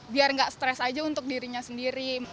biar nggak stres aja untuk dirinya sendiri